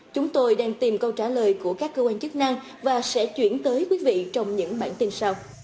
chúng tôi đang tìm câu trả lời của các cơ quan chức năng và sẽ chuyển tới quý vị trong những bản tin sau